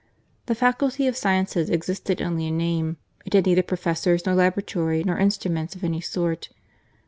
The Faculty of Sciences existed only in name. It had neither professors, nor laboratory, nor instruments of any sort.